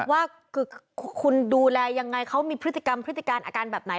ว่าคือคุณดูแลยังไงเขามีพฤติกรรมพฤติการอาการแบบไหน